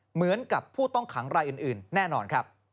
เหมือนกับผู้ต้องขังไรอื่นแน่นอน